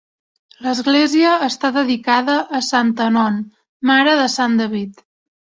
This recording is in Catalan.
L'església està dedicada a Santa Non, mare de Sant David.